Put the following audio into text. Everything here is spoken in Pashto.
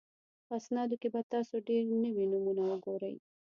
په اسنادو کې به تاسو ډېر نوي نومونه وګورئ.